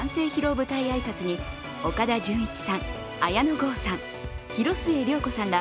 舞台挨拶に岡田准一さん、綾野剛さん広末涼子さんら